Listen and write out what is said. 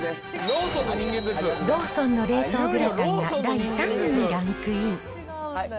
ローソンの冷凍グラタンが第３位にランクイン。